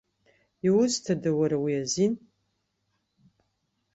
Иузҭада уара уи азин?